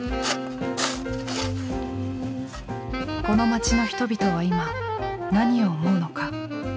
この街の人々は今何を思うのか。